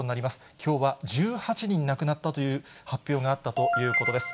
きょうは１８人亡くなったという発表があったということです。